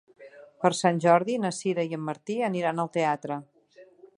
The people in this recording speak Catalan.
Per Sant Jordi na Sira i en Martí aniran al teatre.